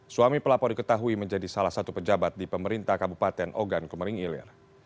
suami pelapor diketahui menjadi salah satu pejabat di pemerintah kabupaten ogan kemering ilir